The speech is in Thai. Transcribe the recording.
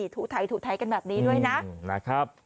ถูกไทยกันแบบนี้ด้วยนะ